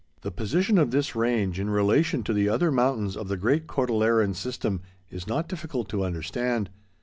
The position of this range in relation to the other mountains of the great Cordilleran System is not difficult to understand.